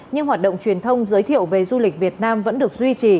nhưng hoạt động truyền thông giới thiệu về du lịch việt nam vẫn được duy trì